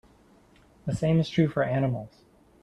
The same is true for animals.